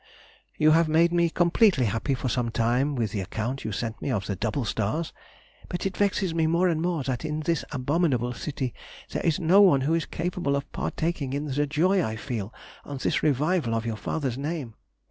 You have made me completely happy for some time with the account you sent me of the double stars; but it vexes me more and more that in this abominable city there is no one who is capable of partaking in the joy I feel on this revival of your father's name.